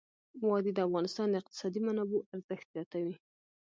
وادي د افغانستان د اقتصادي منابعو ارزښت زیاتوي.